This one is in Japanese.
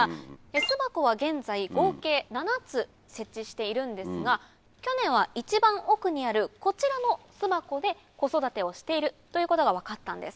巣箱は現在合計７つ設置しているんですが去年は一番奥にあるこちらの巣箱で子育てをしているということが分かったんです。